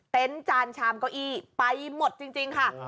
จานชามเก้าอี้ไปหมดจริงค่ะ